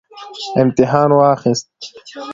امتحان واخیست